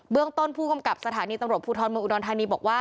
เรื่องต้นผู้กำกับสถานีตำรวจภูทรเมืองอุดรธานีบอกว่า